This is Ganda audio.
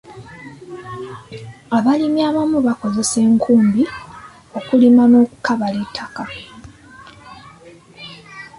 Abalimi abamu bakozesa nkumbi okulima n'okukabala ettaka.